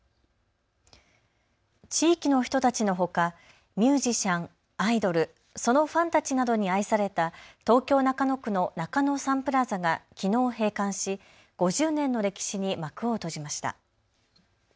地域の人たちのほかミュージシャン、アイドル、そのファンたちなどに愛された東京中野区の中野サンプラザがきのう閉館し５０年の歴史に幕を閉じました。